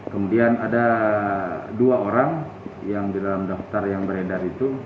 kemudian ada dua orang yang di dalam daftar yang beredar itu